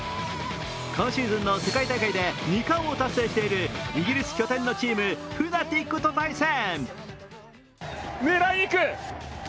今シーズンの世界大会で２冠を達成しているイギリス拠点のチームＦｎａｔｉｃと対戦。